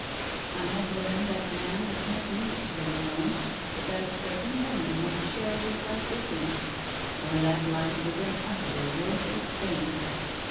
I have learned that man was not made to live alone, but that a certain woman must share his life with him, or that life is an utterly worthless thing.